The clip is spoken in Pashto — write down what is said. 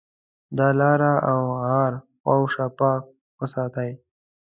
د ا لاره او غار شاوخوا پاک وساتئ.